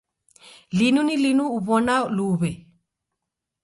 Linu ni linu uw'ona luw'e.